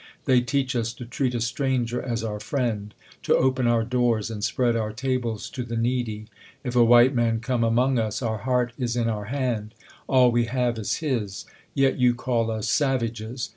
They teach us to treat a stranger as our friend ; to open eur doors and spread our tables to the needy. If a White Man come among us, our heart is in our hand ; all we have is his ; yet you call us savages !